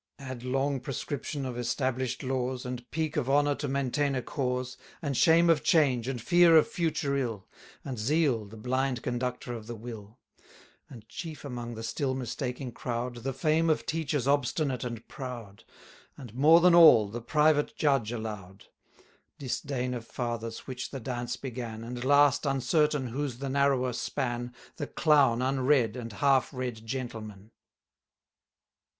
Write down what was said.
Add long prescription of establish'd laws, 400 And pique of honour to maintain a cause, And shame of change, and fear of future ill, And zeal, the blind conductor of the will; And chief among the still mistaking crowd, The fame of teachers obstinate and proud, And, more than all, the private judge allow'd; Disdain of Fathers which the dance began, And last, uncertain whose the narrower span, The clown unread, and half read gentleman.